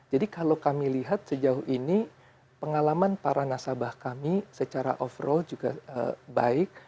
jadi kalau kami lihat sejauh ini pengalaman para nasabah kami secara overall juga baik